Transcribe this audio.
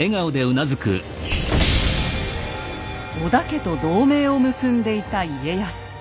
織田家と同盟を結んでいた家康。